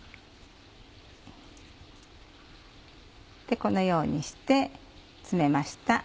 このようにして詰めました。